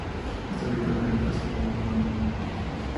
Está ubicada en el Paseo de la Bonanova No.